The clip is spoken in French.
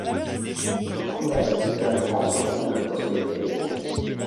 Notre promesse, c’est que la France retrouve la prospérité.